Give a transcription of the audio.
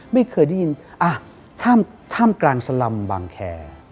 ไม่เคยได้ยินถ้ามกลางสลัมบังแฮ